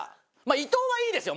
伊藤はいいですよ